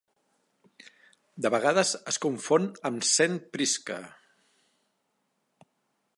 De vegades es confon amb Saint Prisca.